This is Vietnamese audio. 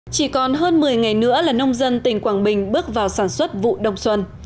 chỉ còn hơn một mươi ngày nữa là nông dân tỉnh quảng bình bước vào sản xuất vụ đông xuân